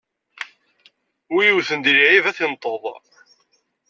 Wi iwwten di lɛib, ad t-inṭeḍ.